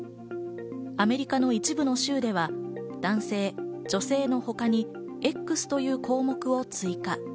アメリカの一部の州では男性、女性のほかにＸという項目を追加。